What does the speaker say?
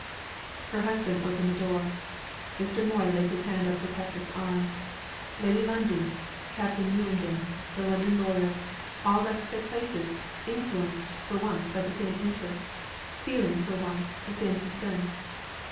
Her husband opened the door. Mr. Moy laid his hand on Sir Patrick's arm. Lady Lundie, Captain Newenden, the London lawyer, all left their places, influenced, for once, by the same interest; feeling, for once, the same suspense.